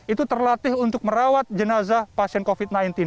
itu terlatih untuk merawat jenazah pasien covid sembilan belas